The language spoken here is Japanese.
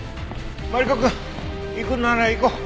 マリコくん行くなら行こう。